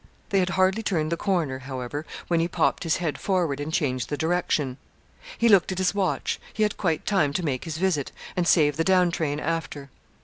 They had hardly turned the corner, however, when he popped his head forward and changed the direction. He looked at his watch. He had quite time to make his visit, and save the down train after.